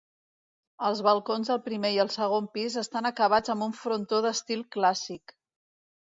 Els balcons del primer i el segon pis estan acabats amb un frontó d'estil clàssic.